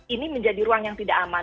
ini menjadi ruang yang tidak aman